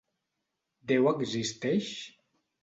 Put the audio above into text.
Déu existeix?